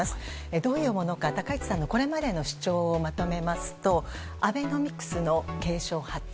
どういうものか高市さんのこれまでの主張をまとめますとアベノミクスの継承・発展。